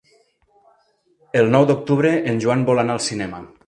El nou d'octubre en Joan vol anar al cinema.